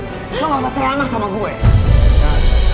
lu gak usah ceramah sama gua ya